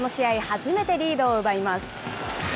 初めてリードを奪います。